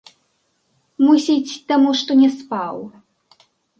Мусіць, таму, што не спаў.